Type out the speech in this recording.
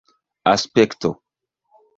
aspekto